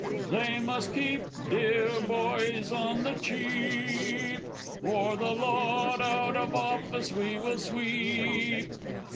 _ They must keep, deah boys! On the Cheap, Or the lot out of office we will sweep!